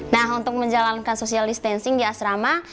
nah untuk menjalankan social distancing di asrama